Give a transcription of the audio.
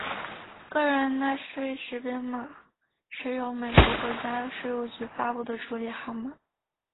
个人纳税识别号码是由美国国家税务局发布的处理号码。